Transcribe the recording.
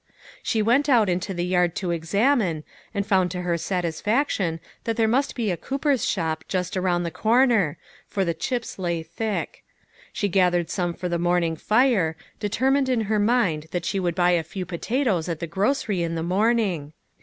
She went out into the yard to examine, and discovered to her satisfac tion that there must be a cooper's shop just around the corner, for the chips lay thick. She gathered some for the morning fire, determined in her mind that she would buy a few potatoes at the grocery in the morning